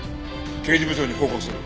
刑事部長に報告する。